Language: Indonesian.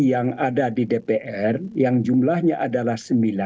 yang ada di dpr yang jumlahnya adalah sembilan